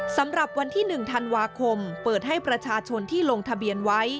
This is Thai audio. สำหรับวันที่๑ธันวาคมเปิดให้ประชาชนที่ลงทะเบียนไว้